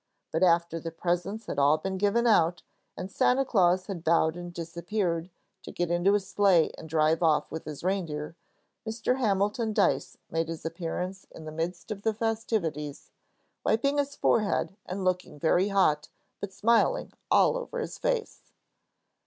But after the presents had all been given out and Santa Claus had bowed and disappeared to get into his sleigh and drive off with his reindeer, Mr. Hamilton Dyce made his appearance in the midst of the festivities, wiping his forehead and looking very hot, but smiling all over his face.